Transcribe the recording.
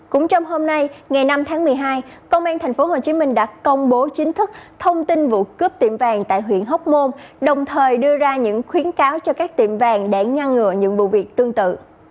cũng trong hôm nay ngày năm tháng một mươi hai công an tp hcm đã công bố chính thức thông tin vụ cướp tiệm vàng tại huyện hóc môn đồng thời đưa ra những khuyến cáo cho các tiệm vàng để ngăn ngừa những vụ việc tương tự